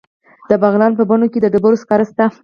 د بغلان په بنو کې د ډبرو سکاره شته.